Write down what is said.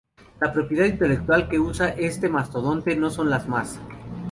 la propiedad intelectual que usa este mastodonte no son las más